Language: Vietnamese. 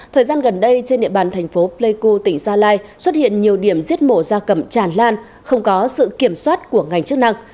thời gian gần đây trên địa bàn thành phố pleiku tỉnh gia lai xuất hiện nhiều điểm giết mổ ra cầm tràn lan không có sự kiểm soát của ngành chức năng